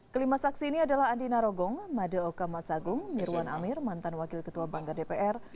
kelima saksi ini adalah andina rogong mada okama sagung mirwan amir mantan wakil ketua bangga dpr